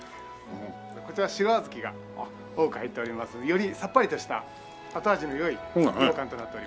こちら白小豆が多く入っておりますのでよりさっぱりとした後味の良い羊羹となっております。